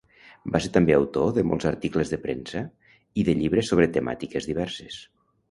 Va ser també autor de molts articles de premsa i de llibres sobre temàtiques diverses.